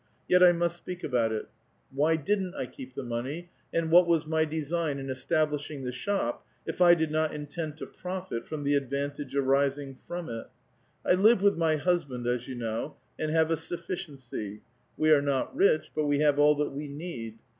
Yet I must speak about it. "Why didn't 1 keep the money, and what was my design in estab lishing the shop, if 1 did not intend to profit from the advan tage arising from it? 1 live with my husband, as you know, and have a sufficiency : we are not rich, but we have all that we need.